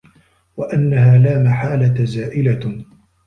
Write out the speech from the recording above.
وَأَنَّهَا لَا مَحَالَةَ زَائِلَةٌ